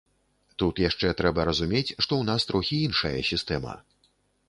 Тут яшчэ трэба разумець, што ў нас трохі іншая сістэма.